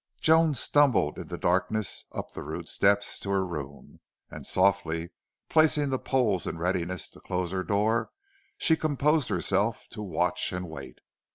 Joan stumbled in the darkness up the rude steps to her room, and, softly placing the poles in readiness to close her door, she composed herself to watch and wait.